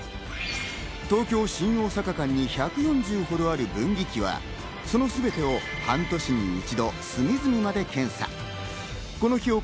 東京ー新大阪間に１４０ほどある分岐器は、そのすべてを半年に一度、隅々まで検査。